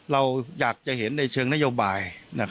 เราอยากจะเห็นในเชิงนโยบาย